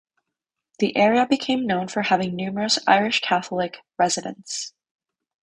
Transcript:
The area became known for having numerous Irish-Catholic residents.